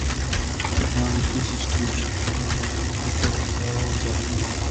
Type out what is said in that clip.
د بانکي سیستم شفافیت د خلکو باور زیاتوي.